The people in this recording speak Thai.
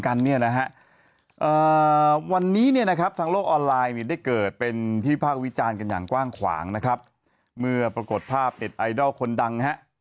แล้วไม่เชื่ออ่ะแต่ก็เชื่อก็ได้